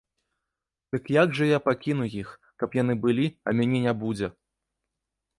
Дык як жа я пакіну іх, каб яны былі, а мяне не будзе!